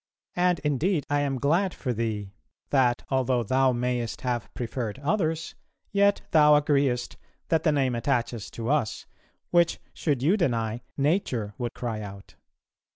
And, indeed, I am glad for thee, that, although thou mayest have preferred others, yet thou agreest that the name attaches to us, which should you deny nature would cry out.